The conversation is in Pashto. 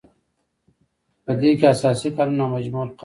په دې کې اساسي قانون او مجمع القوانین دي.